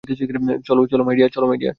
চলো, my deer.